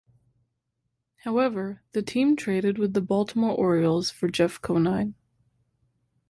However, the team traded with the Baltimore Orioles for Jeff Conine.